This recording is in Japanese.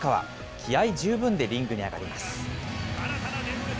気合い十分でリングに上がります。